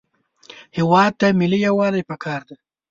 هېواد ته ملي یووالی پکار دی